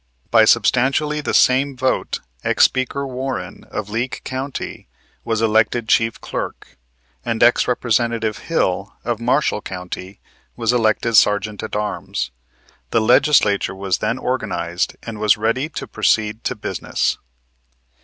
By substantially the same vote ex Speaker Warren, of Leake County, was elected Chief Clerk, and Ex Representative Hill, of Marshall County, was elected Sergeant at arms. The Legislature was then organized and was ready to proceed to business.